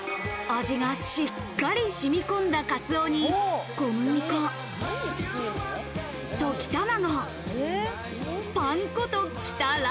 味が、しっかり染み込んだカツオに、小麦粉、溶き卵、パン粉ときたら。